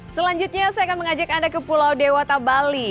selanjutnya saya akan mengajak anda ke pulau dewata bali